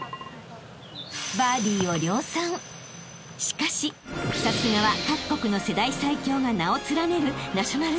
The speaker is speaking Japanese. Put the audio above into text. ［しかしさすがは各国の世代最強が名を連ねるナショナルチーム］